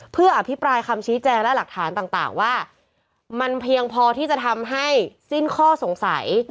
เพื่ออภิปรายคำชี้แจงและหลักฐานต่างว่ามันเพียงพอที่จะทำให้สิ้นข้อสงสัย